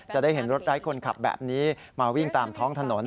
จะได้เห็นรถไร้คนขับแบบนี้มาวิ่งตามท้องถนน